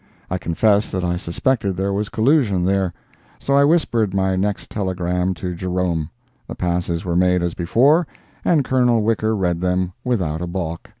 I confess that I suspected there was collusion there. So I whispered my next telegram to Jerome—the passes were made as before, and Colonel Wicker read them without a balk.